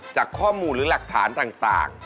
จากข้อมูลหรือหลักฐานต่าง